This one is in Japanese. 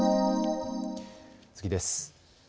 次です。